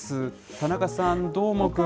田中さん、どーもくん。